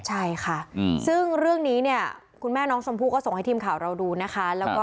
ใช่ค่ะซึ่งเรื่องนี้เนี่ยคุณแม่น้องชมพู่ก็ส่งให้ทีมข่าวเราดูนะคะ